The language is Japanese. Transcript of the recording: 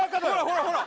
・ほらほら！